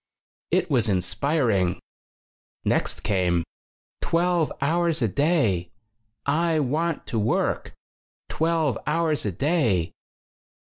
It was inspiring. Next came: "Twelve hours a day! I want to work! Twelve hours a day!"